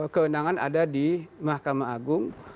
kewenangan ada di mahkamah agung